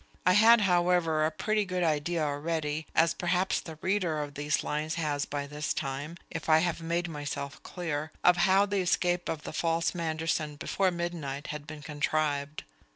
I had, however, a pretty good idea already as perhaps the reader of these lines has by this time, if I have made myself clear of how the escape of the false Manderson before midnight had been contrived.